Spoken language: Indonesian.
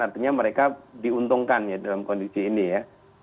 artinya mereka diuntungkan ya dalam kondisi ini ya